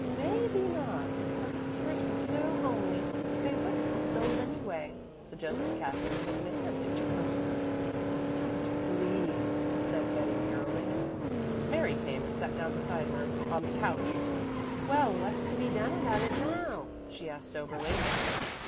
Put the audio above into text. "May be not; perhaps hers were so homely they wouldn't have sold anyway," suggested Katherine with an attempt at jocoseness. "Don't, please," said Betty wearily. Mary came and sat down beside her on the couch. "Well, what's to be done about it now?" she asked soberly.